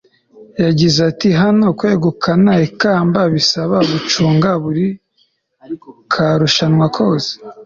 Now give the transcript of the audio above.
yagize ati hano kwegukana ikamba bisaba gucunga buri ka rushanwa kose